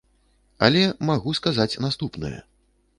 Але магу сказаць наступнае.